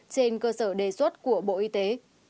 trên cơ sở đề xuất của bộ y tế